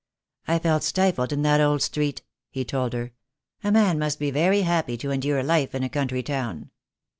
"I felt stifled in that old street," he told her. "A man must be very happy to endure life in a country town."